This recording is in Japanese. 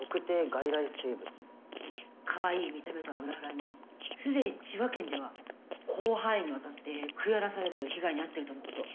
かわいい見た目とは裏腹に既に千葉県では広範囲にわたって食い荒らされる被害に遭ってるとのこと。